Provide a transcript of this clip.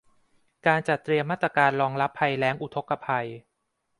การจัดเตรียมมาตรการรองรับภัยแล้ง อุทกภัย